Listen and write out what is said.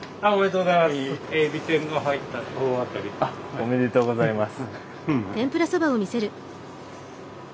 おめでとうございます。